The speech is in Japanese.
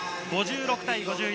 ５６対５４。